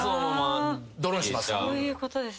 そういうことですね。